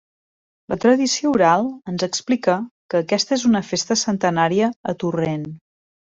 La tradició oral ens explica que aquesta és una festa centenària a Torrent.